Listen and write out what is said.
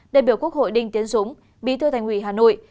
đại biểu quốc hội đinh tiến dũng bí thư thành ủy hà nội